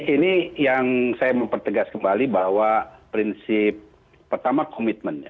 ini yang saya mempertegas kembali bahwa prinsip pertama komitmen ya